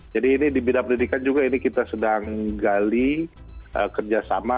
jadi ini di bidang pendidikan juga kita sedang gali kerjasama